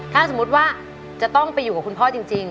ถ้าสมมุติว่าจะต้องไปอยู่กับคุณพ่อจริง